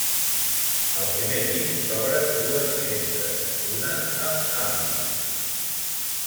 Al primer pis s'obren dues finestres, una amb ampit.